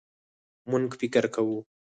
مونږ فکر کوو